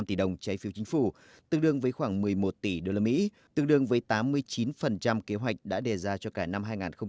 tương đương với khoảng một mươi một tỷ usd tương đương với tám mươi chín kế hoạch đã đề ra cho cả năm hai nghìn một mươi sáu